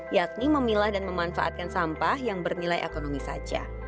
yakni memilah dan memanfaatkan sampah yang bernilai ekonomi saja